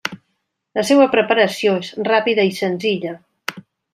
La seua preparació és ràpida i senzilla.